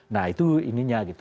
nah itu ininya gitu